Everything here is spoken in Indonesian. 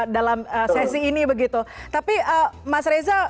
dalam sesi ini begitu tapi mas reza